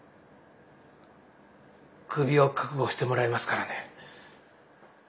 クビを覚悟してもらいますからね。